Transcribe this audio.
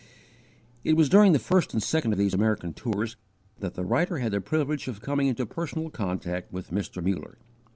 It was during the first and second of these American tours that the writer had the privilege of coming into personal contact with Mr. Muller.